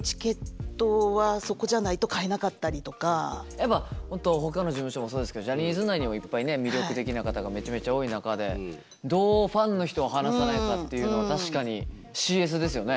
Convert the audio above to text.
やっぱ本当ほかの事務所もそうですけどジャニーズ内にもいっぱいね魅力的な方がめちゃめちゃ多い中でどうファンの人を離さないかっていうのは確かにＣＳですよね。